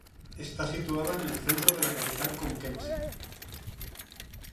Está situada en el centro de la capital conquense.